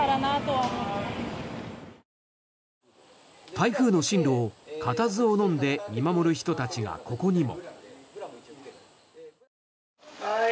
台風の進路を、かたずをのんで見守る人たちがここにも。